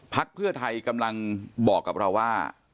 เพื่อไทยกำลังบอกกับเราว่า